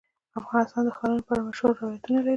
افغانستان د ښارونو په اړه مشهور روایتونه لري.